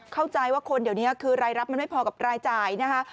เข้าใจว่าคนเดี๋ยวนี้คือรายรับมันไม่พอกับรายจ่ายนะคะ